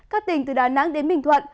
các tỉnh từ đà nẵng đến bình thuận